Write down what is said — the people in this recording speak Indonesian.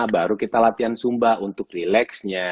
baru kita latihan zumba untuk relax nya